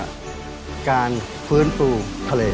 ไปดูกันค่ะว่าหน้าตาของเจ้าปาการังอ่อนนั้นจะเป็นแบบไหน